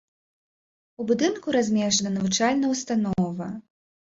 У будынку размешчана навучальная ўстанова.